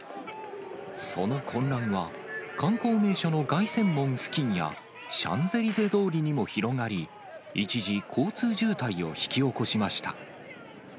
その混乱は、観光名所の凱旋門付近や、シャンゼリゼ通りにも広がり、一時、交通渋滞を引き起こしました。